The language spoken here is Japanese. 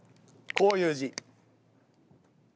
こういう字。